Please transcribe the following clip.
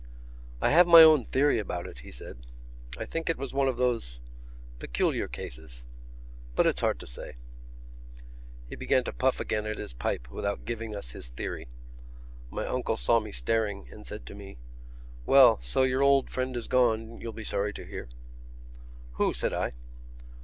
"I have my own theory about it," he said. "I think it was one of those ... peculiar cases.... But it's hard to say...." He began to puff again at his pipe without giving us his theory. My uncle saw me staring and said to me: "Well, so your old friend is gone, you'll be sorry to hear." "Who?" said I.